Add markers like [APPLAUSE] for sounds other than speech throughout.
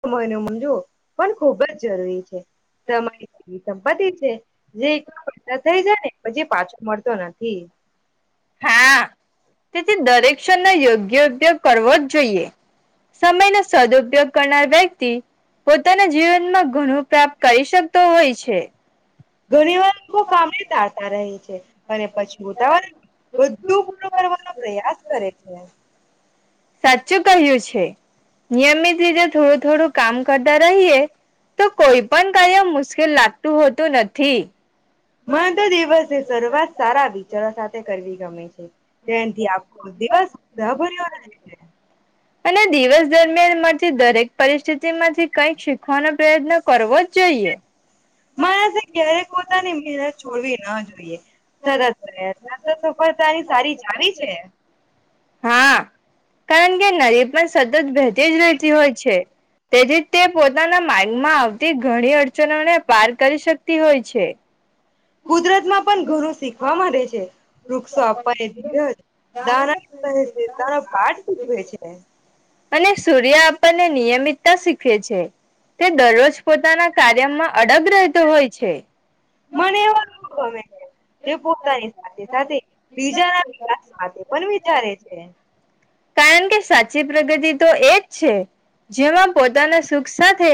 સમય ન માનજો પણ ખૂબ જ જરૂરી છે, સમય એવી સંપત્તિ છે જે એક [UNINTELLIGIBLE] થઈ જાય ને પછી પાછો મળતો નથી. હા તેથી દરેક ક્ષણ નો યોગ્ય ઉપયોગ કરવો જ જોઈએ સમયનો સદઉપયોગ કરનાર વ્યક્તિ પોતાના જીવનમાં ઘણું પ્રાપ્ત કરી શકતો હોય છે. ઘણી વાર લોકો કામે જાતા રહે છે. અને પછી ઉતાવળ બધું પૂરું કરવાનો પ્રયાસ કરે છે. સાચું કહ્યું છે નિયમિત રીતે થોડું થોડું કામ કરતા રહીએ તો કોઈ પણ કારાયમ મુશ્કેલ લાગતું હોતું નથી. મને તો દિવસે શરૂઆત સારા વિચારો સાથે કરવી ગમે છે. તેથી આખો દિવસ [UNINTELLIGIBLE] રહે છે. અને દિવસ દરમિયાન મળથી દરેક પરિસ્થિતિ માંથી કંઈક શીખવાનો પ્રયત્ન કરવો જ જોઈએ. મારાથી ક્યારેક પોતાની મહેનત છોડવીન જોઈએ તરત પ્રયત્ન સરસ સફળતાની સારી ચાવી છે. હા કારણ કે નરી પણ સતત ભે તેજ નથી હોય છે. તેથી તે પોતાના માર્ગમાં આવતી ઘણી અડચનોને પાર કરી શકતી હોય છે. કુદરતમાં પણ ઘરું શીખવા માંડે છે, વૃક્ષો આપાય ધીરજ [UNINTELLIGIBLE] પાઠ શીખવે છે. અને સૂર્ય આપણને નિયમિતતા શીખવે છે, તે દરરોજ પોતાના કાર્યમાં અડગ રહેતો હોય છે. મને એવ ગમે છે જે પોતાની સાથે સાથે બીજાના વ માટે પણ વિચારે છે. કારણ કે સાચી પ્રગતિ તો એ જ છે જેમાં પોતાના સુખ સાથે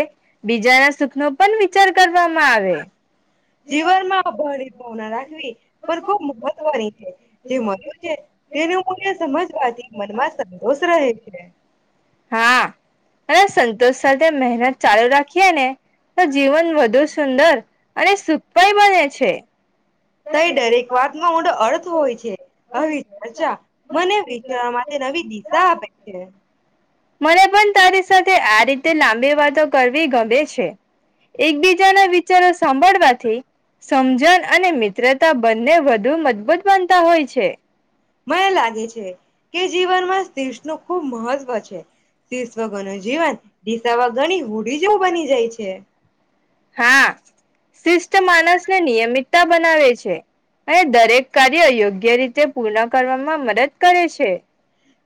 બીજાના સુખનો પણ વિચાર કરવામાં આવે. જીવનમાં અભારની ભાવના રાખવી પણ ખુબ મહત્વની છે જે મુ છે તેનું મૂલ્ય સમજવાથી મનમાં સંતોષ રહે છે. હા અને સંતોષ સાથે મહેનત ચાલુ રાખીએ ને તો જીવન વધુ સુંદર અને સુખાઈ બને છે. તઈ દરેક વાત ન ઊંડો અર્થ હોય છે હવે ચર્ચા મને વિચાર માટે નવી દિશા આપે છે. મને પણ તારી સાથે આ રીતે લાંબી વાતો કરવી ગમે છે એકબીજાના વિચારો સાંભળવાથી સમજણ અને મિત્રતા બંને વધુ મજબૂત બનતા હોય છે. મને લાગે છે કે જીવનમાં દેશ નું ખુબ મહત્વ છે. શિશ્વ ગોનું જીવન દીસાવા ગણી હુંડી જેવું બની જાય છે. હા, શિષ્ટ માનસને નિયમિતતા બનાવે છે અને દરેક કાર્ય યોગ્ય રીતે પૂર્ણ કરવામાં મદદ કરે છે.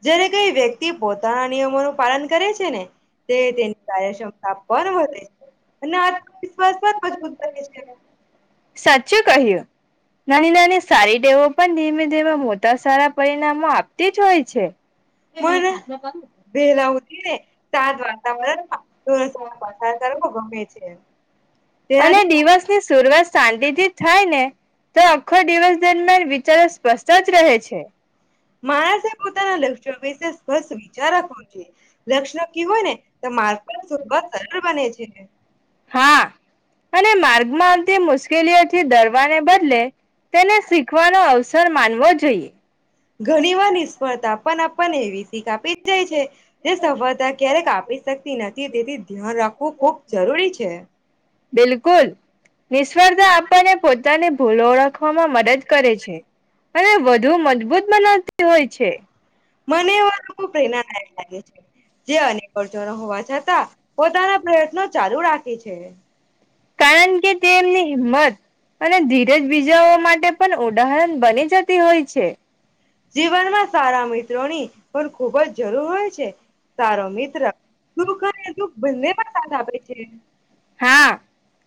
જ્યારે કઈ વ્યક્તિ પોતા નિયમોનું પાલન કરે છે ને તે તેની કાર્યક્ષમતા પણ વધે છે અને આત્મવિશ્વાસ પણ મજબૂત બને છે. સાચું કહ્યું નાની નાની સારી ટેવો પણ ધીમે ધીમે મોટા સારા પરિણામો આપતી જ હોય છે. મને વહેલા ઉઠીને શાંત વાતાવરણમાં થોડો સમય પસાર કરવો ગમે છે. [UNINTELLIGIBLE] અને તેનાથી દિવસ ની શ શરૂવાત શાંતિથી થાય ને તો આખો દિવસ દરમિયાન વિચારો સ્પષ્ટ જ રહે છે. માણસ એ પોતાના લક્ષણ વિશે સ્પષ્ટ વિચાર ધ્યાન રાખવું જોઈએ. લક્ષ્ન કી હોય ને તો માર્ગ પણ સરળ બને છે. હા અને માર્ગમાં આવતી મુશ્કેલીઓથી ડરવાને બદલે તેને શીખવાનો અવસર માનવો જોઈએ. ઘણી વાર નિષ્ફળતા આપને એવી શીખ આપી જાય છે જે સફળતા ક્યારેક આપી શકતી નથી તેથી ધ્યાન રાખવું ખૂબ જરૂરી છે. બિલકુલ નિષ્ફળતા આપણને પોતાની ભૂલો ઓળખવામાં મદદ કરે છે અને વધુ મજબૂત બનાવતી હોય છે. મને એ વા પ્રેરણાદાયક લાગે છે. જે અકર્ચો ન હોવા છતાં પોતાના પ્રયત્નો ચાલુ રાખે છે. કારણ કે તે એમની હિંમત અને ધીરજ બીજાઓ માટે પણ ઉદાહરણ બની જતી હોય છે. જીવનમાં સારા મિત્રોની પણ ખૂબ જ જરૂર હોય છે. સારો મિત્ર સુખ અને દુઃખ બંનેમાં સાથ આપે છે. હા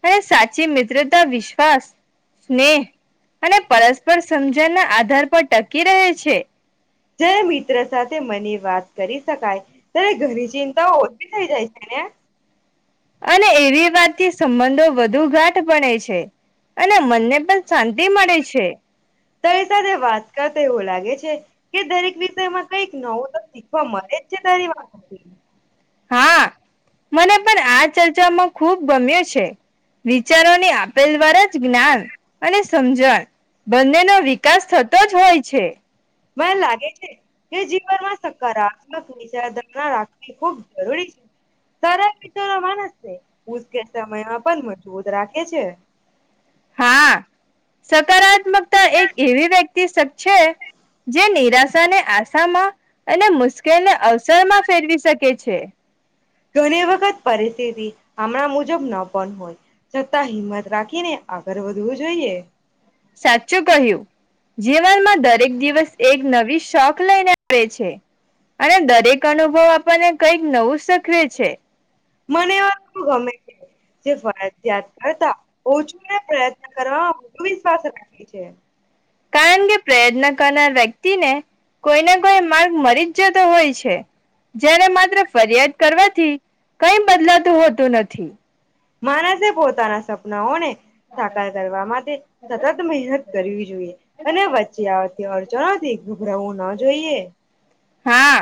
અને સાચી મિત્રતા વિશ્વાસ, સ્નેહ અને પરસ્પર સમજણના આધાર પર ટકી રહે છે. જારે મિત્ર સાથે મને વાત કરી શકાય ત્યારે ઘણી ચિંતાઓ ઓછી થઈ જાય છે ને. અને એવી વાતથી સંબંધો વધુ ગાઠ બણે છે. અને મનને પણ. શાંતિ મળે છે [UNINTELLIGIBLE] તારી સાથે વાત કર તો એવું લાગે છે. કે દરેક વિષયમાં. કઈક નવું તો શીખવા મળેજ છે તારી વાતો. હા! મને પણ આ ચર્ચામાં ખૂબ ગમ્યો છે. વિચારોની આપેલ [UNINTELLIGIBLE] દ્વારા જ જ્ઞાન અને સમજણ બંનેનો વિકાસ થતો જ હોય છે. મને લાગે છે. કે જીવનમાં સકારાત્મક વિચારધારા રાખવી ખુબ [UNINTELLIGIBLE] સરસ મ ન માણસ છે ઉ્કે સમયમાં પણ મજબૂત રાખે છે હા સકારાત્મકતા એક એવી વ્યક્તિ શકે છે. જે નિરાશાને આશામાં અને મુશ્કેલને અવસરમાં ફેરવી શકે છે. ઘણી વખત પરિસ્થિતિ હમણાં મુજબ ન પણ હોય છતાં હિંમત રાખીને [UNINTELLIGIBLE] ઘરે વધું હૂ જોઈએ સાચું કહ્યું જીવનમાં દરેક દિવસ એક નવી શોક લઈને આવે છે. અને દરેક અનુભવ આપણને કંઈક નવું શખવે છે. મને એ ગમે જે ફરજયાત કરતા ઓછો પ્રયત્ન કરવાવામાં વિશ્વાસ [UNINTELLIGIBLE] એ છે કારણ કે પ્રયત્ન કરનાર વ્યક્તિને કોઈને કોઈ માર્ગ મળી જ જતો હોય છે. જ્યારે માત્ર ફરિયાદ કરવાથી કઈ બદલાતું હોતું નથી. માણસે પોતાના સપનાઓ ને સાકાર કરવા માટે સતત મહેનત કરવી જોઈએ. અને વચ્ચે આવતી અડચનોથી ઘભરાવું ન જોઈએ. હા!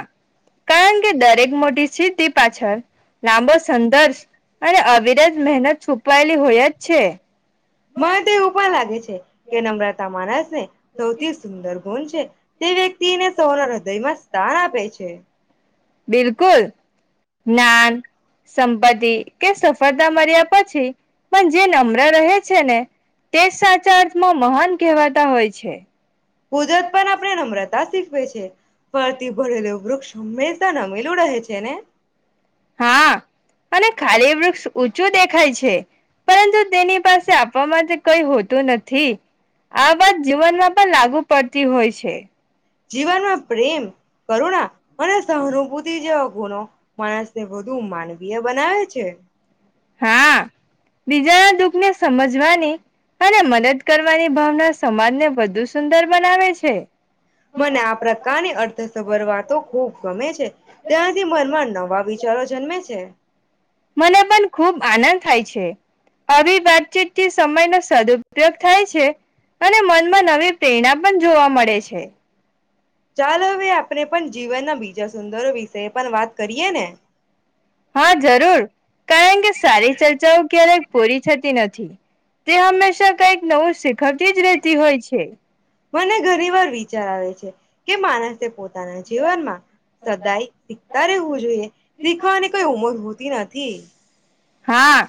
કારણ કે દરેક મોટી સિદ્ધિ પાછળ લાંબો સંઘર્ષ અને અવિરત મહેનત છુપવાયેલી હોય જ છે. મને તો એવું પણ લાગે છે. કે નમ્રતા માણસ ને સૌથી સુંદર ગુણ છે. તે વ્યક્તિને સૌના હૃદયમાં સ્થાન આપે છે. બિલકુલ જ્ઞાન સંપત્તિ કે સફળતા મળ્યા પછી પણ જે નમ્ર રહે છે ને તે સાચા અર્થમાં મહંત કહેવાતા હોય છે. કુદરત પણ આપણે નમ્રતા શીખવે છે ફળથી ભરેલું વૃક્ષ હંમેશા નમેલું રહે છે ને હા અને ખાલી વૃક્ષ ઊંચું દેખાય છે. પરંતુ તેની પાસે આપવા માટે કઈ હોતું નથી આ વાત જીવનમાં પણ લાગુ પડતી હોય છે. જીવનમાં પ્રેમ, કરુણા અને સહાનુભૂતિ જેવા ગુણો માણસને વધુ માનવી બીય બનાવે છે? હા! બીજાના દુઃખ ને સમજવાની, અને મદદ કરવાની ભાવના સમાજને વધુ સુંદર બનાવે છે મને આ પ્રકારની અર્થસભર વાતો ખૂબ ગમે છે. ત્યાંથી મનમાં નવા વિચારો જન્મે છે. મને પણ ખૂબ આનંદ થાય છે અભિ વાતચીતથી સમયનો સદુપયોગ થાય છે અને મનમાં નવી પ્રેરણા પણ જોવા મળે છે. ચાલ હવે આપણે પણ જીવનના બીજા સુંદરો વિષ પણ વાત કરીએ ને. હા જરૂર કારણ કે સારી ચર્ચાઓ ક્યારેક પૂરી થતી નથી. તે હંમેશા કઈક નવું શીખ મને ઘણી વાર વિચાર આવે છે કે માણસે પોતાના જીવનમાં સદાય શીખતા રહેવું જોઈએ શીખવાની કઈ ઉમર હોતી નથી. હા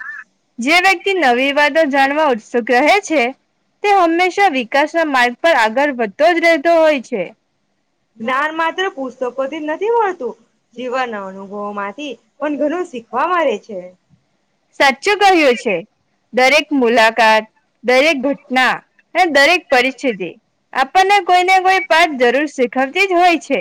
જે વ્યક્તિ નવી વાતોો જાણવા ઉત્સુક રહે છે તે હંમેશા વિકાસ માર્ગ પર આગળ વધતો જ રહે. તો હોય છે. જ્ઞાન માત્ર પુસ્તકોથી જ નથી મળતું જીવન અનુભવો માંથી પણ ઘણું શીખવા મળે છે. સાચું કહ્યું છે દરેક મુલાકાત, દરેક ઘટના અને દરેક પરિસ્થિતિ આપણને કોઈને કોઈ પાઠ જરૂર શીખવતી જ હોય છે.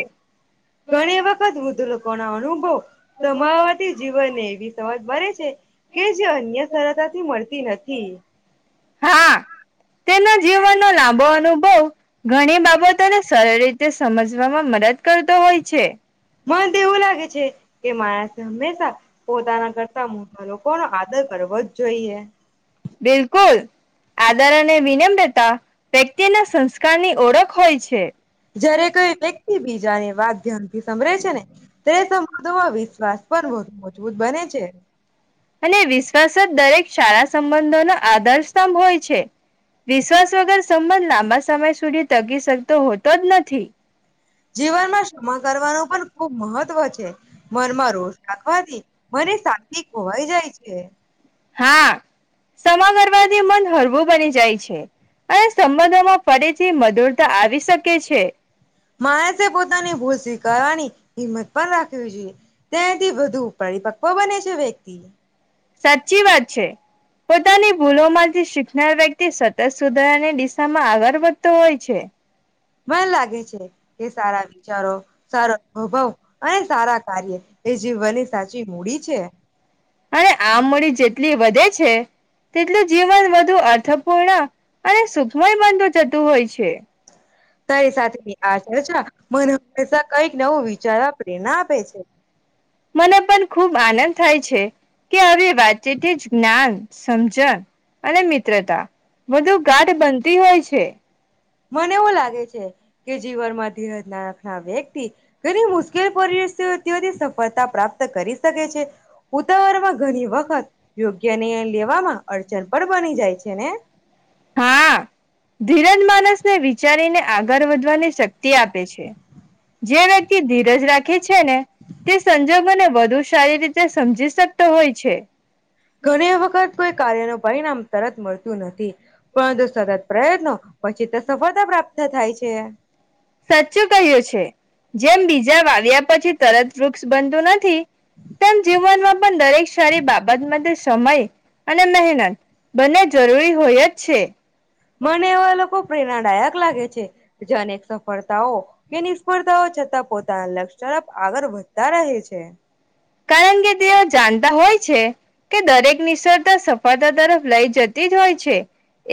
ઘણી વખત વૃદ્ધ લોકો ના અનુભવ સમાવાતી જીવનને એવી સમજ બે છે કે જે અન્ય સરળતાથી મળતી નથી. હા તેના જીવનનો લાંબો અનુભવ ઘણી બાબતોને સરળ રીતે સમજવામાં મદદ કરતો હોય છે. મન તો એવું લાગે છે કે મા હમેશા પોતાના કરતા મોટા લોકોનો આદર કરવો જ જોઈએ. બિલકુલ આદર અને વિનમ્રતા વ્યક્તિના સંસ્કારની ઓળખ હોય છે. જય્યારે કોઈ વ્યક્તિ બીજાને વાત ધ્યાન થી સાંભળે છ છે ને. તે સમબંધોમાં વિશ્વાસ પણ વધુ મજબૂત બને છે. છે. અને વિશ્વાસ જ દરેક શાળા સંબંધોનો આધાર સ્તંભ હોય છે. વિશ્વાસ વગર સંબંધ લાંબા સમય સુધી ટકી શકતો હોતો જ નથી. જીવનમાં ક્ષમા કરવાનું પણ ખૂબ મહત્વ છે. મનમાં રોષ રાખવાથી મને શાંતિ ખોવાઈ જાય છે. હા શમા કરવાથી મન હળવું બની જાય છે અને સંબંધોમાં ફરીથી મધુરતા આવી શકે છે. માણસે પોતાની ભૂલ સ્વીકારવાની હિંમત પણ રાખવી જોઈએ તેથી વધુ પરિપક્વ બને છે વ્યક્તિ. સાચી વાત છે. પોતાની ભૂલોમાંથી શીખનાર વ્યક્તિ સતત સુધારાની દિશામાં આગળ વધતો હોય છે. મને લાગે છે કે સારા વિચારો, સારો અનુભવ અને સારા કાર્ય એ જીવનની સાચી મૂડી છે. અને આ મૂડી જેટલી વધે છે તેટલું જીવન વધુ અર્થપૂર્ણ અને સુખમય બનતું જતું હોય છે. તારી સાથેની [UNINTELLIGIBLE] મને હંમેશા કંઈક નવું વિચારવા પ્રેરણા આપે છે. મને પણ ખુબ આનંદ થાય છે કે હવે. વાચેથીી જ્ઞાન. સમજણ અને મિત્રતા બધું ગાઢ બનતી હોય છે. મને એવું લાગે છે કે જીવનમાં ધીરજ ના. હા વ્યક્તિ ઘણી મુશ્કેલ પ. સળતા પ્રાપ્ત કરી શકે છે ઉતાવરમાં ઘણી વખત યોગ્ય. ને લેવામાં અડચન પણ બની જાય છે ને. હા ધીરજ માનસને વિચારીને આગળ વધવાની.. શક્તિ આપે છે જે વ્યક્તિ ધીરજ રાખે છે ને તે સંજોગોને વધુ.. સારી રીતે સમજી શકતો હોય છે.. ઘણી વખત કોઈ કાર્ય ન પરિણામ તરત મળતું નથી.. પરંતુ સતત પ્રયત્નો પછી તો સફળતા પ્રાપ્ત થાય છે.. સાચું કહ્યું છે જેમ બીજા વાલ્યા પર.. પછી તરત વૃક્ષ બનતું નથી.. તેમ જીવનમાં પણ દરેક સારી બાબત માટે સમય.. અને મહેનત બંને જરૂરી હોય જ છે.. મને એવા લોકો પ્રેરણાદાયક લાગે છે. જે અનેક સફળતાઓ કે નિષ્ફળતાઓ છતાં પોતાના લક્ષ્ય તરપ આગળ વધતા રહે છે.. કારણ કે તેઓ જાણતા હોય છે કે દરેક નિષ્ફળતા સફળતા તરફ લઈ જતી જ હોય છે..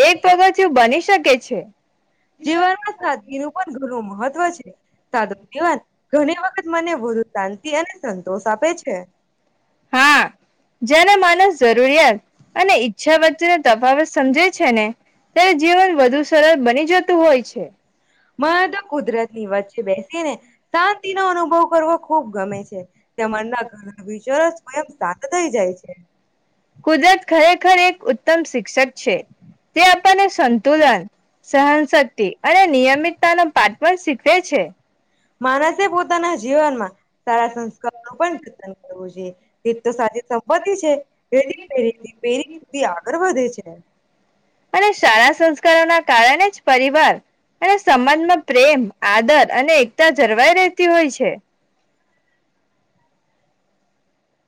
એક પગથિયું બની શકે.. કે છે.. જીવનમાં સાદગીનું પણ.. નુ મહત્વ છે.. સાધવાન ઘણી વખત મને વધુ શાંતિ અને સંતોષ આપે છે.. હા જ્યારે માનસ જરૂ.. જોઈએ અને ઈચ્છા વચ્ચેને તફાવત.. સમજે છે ને ત્યારે જીવન વધુ સરળ બની જતું હોય છે.. મા તો કુદરત ની વાત છે બેસ્ટ.. ને શાંતિ નો અનુભવ કરવો ખુબ ગમે છે.. તેમના ઘર વિચારો સ્વયં શાંત થઈ જાય છે.. કુદરત ખરેખર એક ઉત્તમ શિક્ષક.. છે તે આપણને સંતુલન સહનશક્તિ.. અને નિયમિતતા નો પાઠ પણ શીખેવે છે.. માણસે પોતાના જીવનમાં સારા સંસ્કાર નું પણ જતન કરવું જોઈએ તે તો સાચી સંપત્તિ છે [UNINTELLIGIBLE] પેઢી સુધી આગળ વધે છે.. અને સારા સંસ્કારોના કારણે જ પરિવાર અને સમાજમાં પ્રેમ આદર અને એકતા જળવાઈ રહેતી હોય છે..